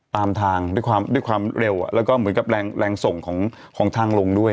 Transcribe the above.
ตามทางที่ความเร็วแล้วก็เหมือนกับแรงส่งของทางลงด้วย